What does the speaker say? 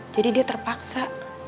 jadi dia terpaksa